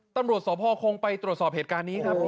ตำรวจสพคงไปตรวจสอบเหตุการณ์นี้ครับ